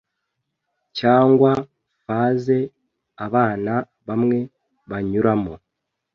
cyangwa faze abana bamwe banyuramo